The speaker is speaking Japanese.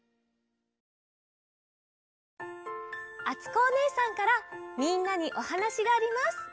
あつこおねえさんからみんなにおはなしがあります。